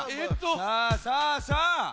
さあさあさあ！